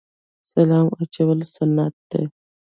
سلام اچول سنت دي